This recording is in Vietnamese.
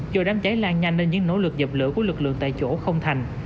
do đám cháy lan nhanh nên những nỗ lực dập lửa của lực lượng tại chỗ không thành